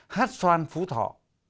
hát xoan phú thọ